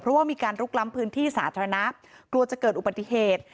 เพราะว่ามีการลุกล้ำพื้นที่สาธารณะกลัวจะเกิดอุบัติเหตุ